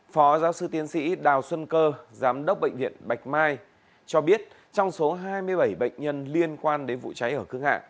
phó giáo sư tiến sĩ đào xuân cơ giám đốc bệnh viện bạch mai cho biết trong số hai mươi bảy bệnh nhân liên quan đến vụ cháy ở khương hạ